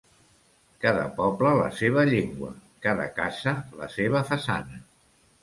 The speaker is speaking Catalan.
Cada poble la seva llengua, cada casa la seva façana.